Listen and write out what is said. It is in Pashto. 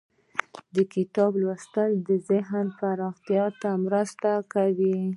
د کتاب لوستل ذهني پراختیا ته مرسته کوي.